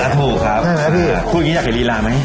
ถูกครับพูดอย่างนี้อยากเห็นลีลาไหม